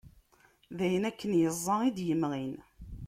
D ayen akken iẓẓa i d-imɣin.